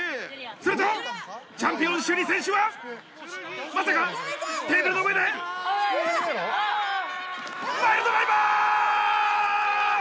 するとチャンピオン朱里選手はまさかテーブルの上で⁉パイルドライバー！